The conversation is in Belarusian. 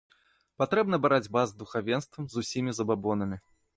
Патрэбна барацьба з духавенствам, з усімі забабонамі.